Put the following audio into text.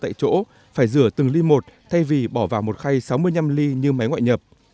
tại chỗ phải rửa từng ly một thay vì bỏ vào một khay sáu mươi năm ly như máy ngoại nhập